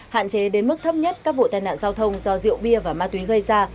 hạn chế đến mức thấp nhất các vụ tai nạn giao thông do rượu bia và ma túy gây ra